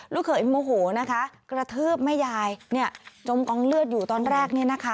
เขยโมโหนะคะกระทืบแม่ยายเนี่ยจมกองเลือดอยู่ตอนแรกเนี่ยนะคะ